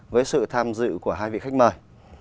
với sự tham dự của hai vị khách mời